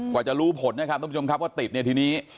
กว่าจะรู้ผลนะครับทุกผู้ชมครับว่าติดเนี่ยทีนี้